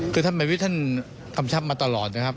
ก็จะถือว่าเป็นตัวอย่างก็ได้นะครับ